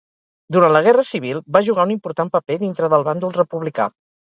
Durant la guerra civil, va jugar un important paper dintre del bàndol republicà.